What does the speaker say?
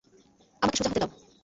আমাকে সোজা হতে দাও।